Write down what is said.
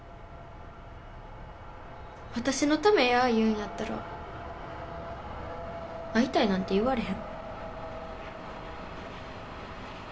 私のためや言うんやったら「会いたい」なんて言われへん。